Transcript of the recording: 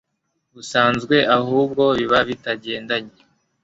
busanzwe ahubwo biba bitagendanye